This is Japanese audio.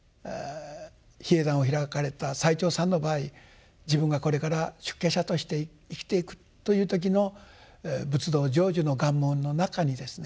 比叡山を開かれた最澄さんの場合自分がこれから出家者として生きていくという時の仏道成就の願文の中にですね